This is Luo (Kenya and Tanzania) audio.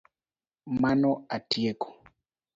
Mano atieko